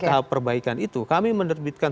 tahap perbaikan itu kami menerbitkan